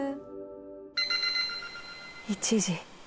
１時。